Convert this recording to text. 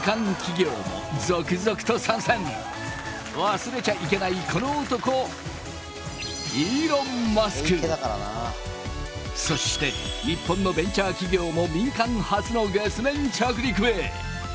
忘れちゃいけないこの男そして日本のベンチャー企業も民間初の月面着陸へ。